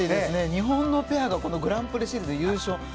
日本のペアがこのグランプリシリーズで優勝